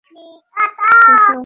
প্রথম বেসটাও আমার!